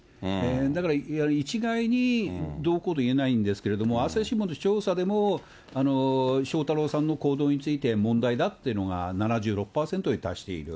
だから一概にどうこうといえないんですけれども、朝日新聞の調査でも、翔太郎さんの行動について問題だというのが７６％に達している。